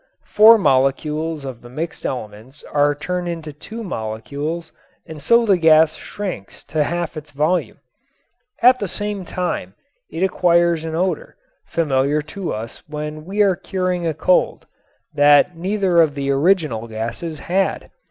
Four molecules of the mixed elements are turned into two molecules and so the gas shrinks to half its volume. At the same time it acquires an odor familiar to us when we are curing a cold that neither of the original gases had.